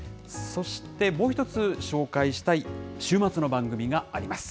そしてもう一つ、紹介したい週末の番組があります。